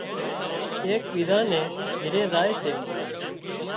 ايڪ ٻيزان ني گھري زائي سي